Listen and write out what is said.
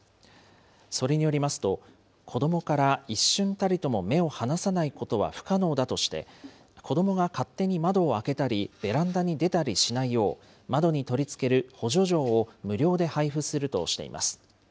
それによりますと、子どもから一瞬たりとも目を離さないことは不可能だとして、子どもが勝手に窓を開けたり、ベランダに出たりしないよう、窓に取り付ける補助錠を無料で配布するとしています。